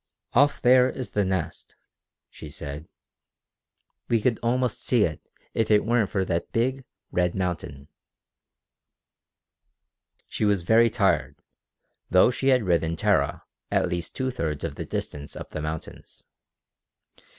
"Off there is the Nest," she said. "We could almost see it if it weren't for that big, red mountain." She was very tired, though she had ridden Tara at least two thirds of the distance up the mountains.